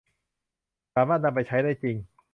สามารถนำไปใช้ได้จริง